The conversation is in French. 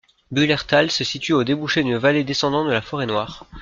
Bühlertal se situe au débouché d'une vallée descendant de la Forêt-Noire.